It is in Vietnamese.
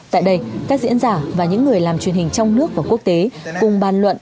tại đây các diễn giả và những người làm truyền hình trong nước và quốc tế cùng bàn luận